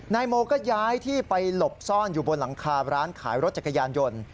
นายโมก็ย้ายที่ไปหลบซ่อนอยู่บนหลังคาร้านขายรถจักรยานยนต์